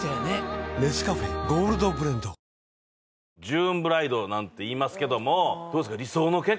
ジューンブライドなんていいますけどもどうですか？